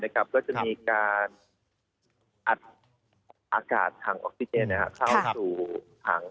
ก็จะมีการอัดอากาศถังออกซิเจนเข้าสู่ถัง